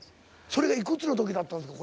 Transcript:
それがいくつの時だったんですか？